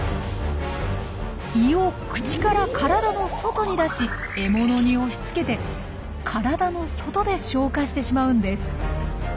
胃を口から体の外に出し獲物に押しつけて体の外で消化してしまうんです。